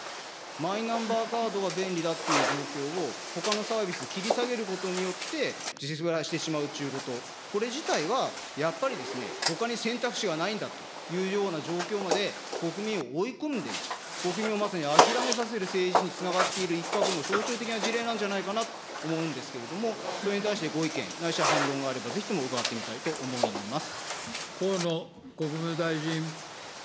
マイナンバーカードは便利だっていう状況を、ほかのサービス、切り下げることによって、してしまうということ、これ自体は、やっぱりですね、ほかに選択肢がないんだというような状況まで国民を追い込んでいる、国民をまさに諦めさせる政治につながっている一角の象徴的な事例なんじゃないかなと思うんですけれども、それに対して、ご意見、ないし反論があれば、ぜひとも伺ってみたいと思います。